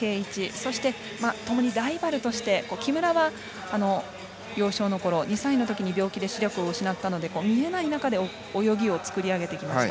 そして、ともにライバルとして木村は幼少のころ２歳のときに病気で視力を失ったので見えない中で泳ぎを作り上げてきました。